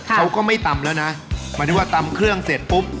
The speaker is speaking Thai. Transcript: เขาก็ไม่ตำแล้วนะหมายถึงว่าตำเครื่องเสร็จปุ๊บ